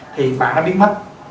thì bạn nó biết mất